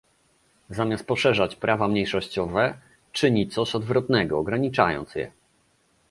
Zamiast poszerzać prawa mniejszościowe czyni coś odwrotnego, ograniczając je